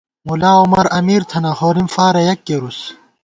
ملاعمر امیر تھنہ ، ہورِم فارہ یک کېرُوس